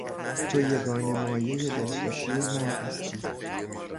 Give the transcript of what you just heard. تو یگانه مایهی دلخوشی من هستی.